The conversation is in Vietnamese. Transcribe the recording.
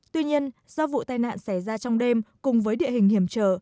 tuy nhiên do vụ tai nạn xảy ra trong đêm cùng với địa hình hiểm trở